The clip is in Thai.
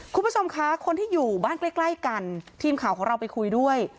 คุณผู้ชมคะคนที่อยู่บ้านใกล้ใกล้กันทีมข่าวของเราไปคุยด้วย